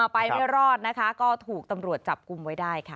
ไปไม่รอดนะคะก็ถูกตำรวจจับกลุ่มไว้ได้ค่ะ